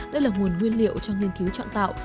đây là nguồn nguyên liệu cho nghiên cứu chọn tạo